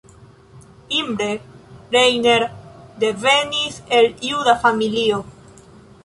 Imre Reiner devenis el juda familio.